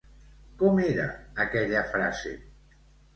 Com era aquella frase?